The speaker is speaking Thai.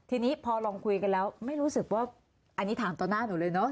ทีนี้พอลองคุยกันแล้วไม่รู้สึกว่าอันนี้ถามต่อหน้าหนูเลยเนอ